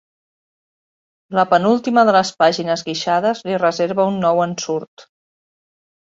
La penúltima de les pàgines guixades li reserva un nou ensurt.